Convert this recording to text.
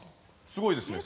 すごいですね。